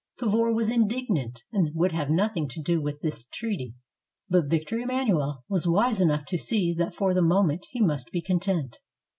Cavour was indignant, and would have nothing to do with this treaty. But Victor Emmanuel was wise enough to see that for the moment he must be content.